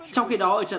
trong khi đó ở trận ba